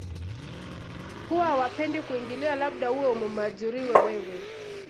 huwa hawapendi kuingiliwa labda uwe umemuajiriwe wewe